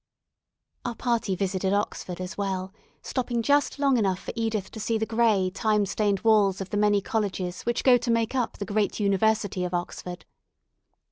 Our party visited Oxford as well, stopping just long enough for Edith to see the gray, time stained walls of the many colleges which go to make up the great university of Oxford.